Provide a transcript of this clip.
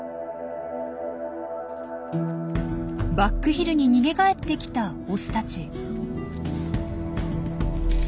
バックヒルに逃げ帰ってきたオスたち。